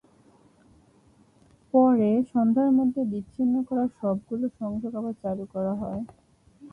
পরে সন্ধ্যার মধ্যে বিচ্ছিন্ন করা সবগুলো সংযোগ আবার চালু করা হয়।